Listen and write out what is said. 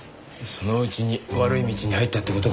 そのうちに悪い道に入ったって事か。